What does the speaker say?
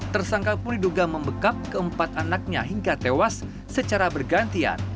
tersangka pun diduga membekap keempat anaknya hingga tewas secara bergantian